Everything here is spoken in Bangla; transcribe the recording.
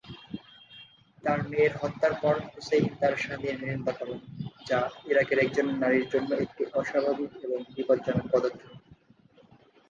তার মেয়ের হত্যার পর হুসেইন তার স্বামীর নিন্দা করেন, যা ইরাকের একজন নারীর জন্য একটি অস্বাভাবিক এবং বিপজ্জনক পদক্ষেপ।